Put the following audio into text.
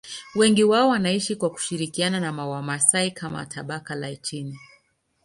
Wengi wao wanaishi kwa kushirikiana na Wamasai kama tabaka la chini.